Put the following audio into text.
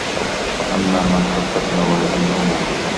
وَأَمّا مَن خَفَّت مَوازينُهُ